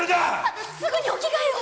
すぐにお着替えを！